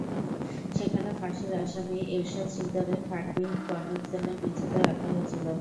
সেখানে ফাঁসির আসামি এরশাদ শিকদারের খাটবিহীন কনেডম সেলের মেঝেতে রাখা হয়েছিল।